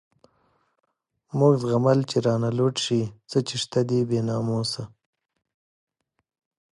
موږ زغمل چی رانه لوټ شی، څه چی شته دی بی ناموسه